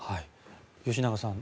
吉永さん